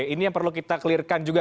ini yang perlu kita clear kan juga